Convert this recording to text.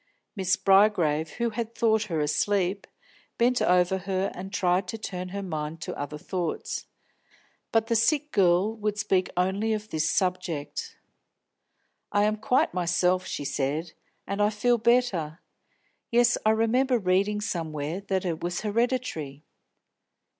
Miss Bygrave, who had thought her asleep, bent over her and tried to turn her mind to other thoughts. But the sick girl would speak only of this subject. "I am quite myself," she said, "and I feel better. Yes, I remember reading somewhere that it was hereditary."